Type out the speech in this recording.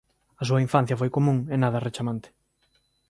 A súa infancia foi común e nada rechamante.